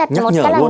nhắc nhở luôn